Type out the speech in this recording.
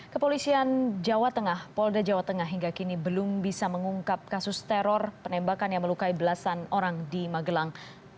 kepolisian jawa tengah polda jawa tengah hingga kini belum bisa mengungkap kasus teror penembakan yang melukai belasan orang di magelang